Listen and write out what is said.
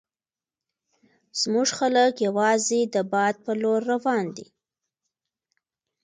زموږ خلک یوازې د باد په لور روان وي.